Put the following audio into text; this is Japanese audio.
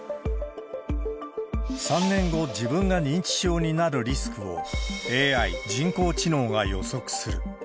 ３年後、自分が認知症になるリスクを、ＡＩ・人工知能が予測する。